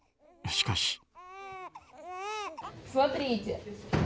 しかし。